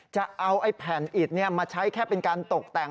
จะเอาแผ่นอิดมาใช้แค่เป็นการตกแต่ง